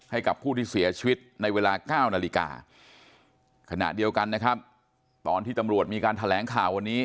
ให้กับผู้ที่เสียชีวิตในเวลา๙นาฬิกาขณะเดียวกันนะครับตอนที่ตำรวจมีการแถลงข่าววันนี้